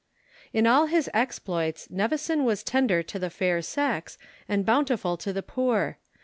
In all his exploits, Nevison was tender to the fair sex, and bountiful to the poor.